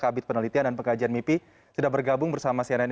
kabit penelitian dan pekajian mipi sudah bergabung bersama cnn